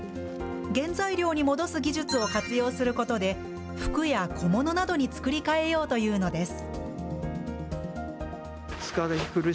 原材料に戻す技術を活用することで、服や小物などに作り替えようというのです。